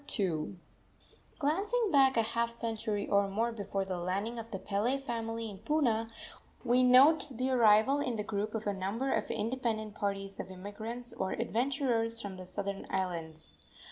II. Glancing back a half century or more before the landing of the Pele family in Puna, we note the arrival in the group of a number of independent parties of immigrants or adventurers from the southern islands.